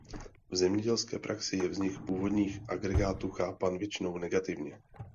V zemědělské praxi je vznik půdních agregátů chápán většinou negativně.